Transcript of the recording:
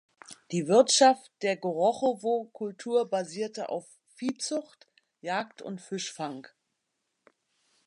Die Wirtschaft der Gorochowo-Kultur basierte auf Viehzucht, Jagd und Fischfang.